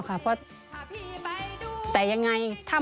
สวัสดีค่ะสวัสดีค่ะ